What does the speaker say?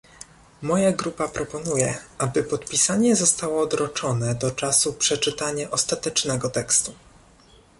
Moja grupa proponuje, aby podpisanie zostało odroczone do czasu przeczytania ostatecznego tekstu